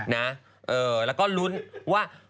แล้วก็ลุ้นว่า